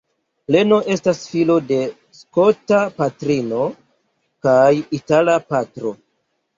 Leno estas filo de skota patrino kaj itala patro.